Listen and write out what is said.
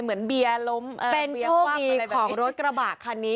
เหมือนเบียร้ำเป็นโชคมีของรถกระบะคันนี้